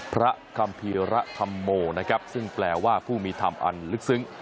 คัมภีระธัมโมนะครับซึ่งแปลว่าผู้มีธรรมอันลึกซึ้ง